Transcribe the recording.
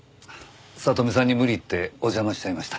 聖美さんに無理言ってお邪魔しちゃいました。